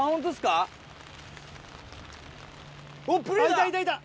いたいたいた！